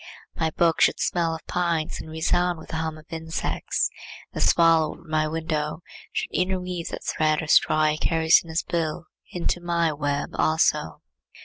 My book should smell of pines and resound with the hum of insects. The swallow over my window should interweave that thread or straw he carries in his bill into my web also.